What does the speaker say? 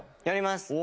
やります。